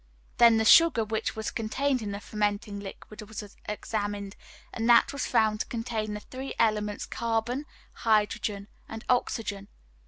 Then the sugar which was contained in the fermenting liquid was examined and that was found to contain the three elements carbon, hydrogen, and oxygen.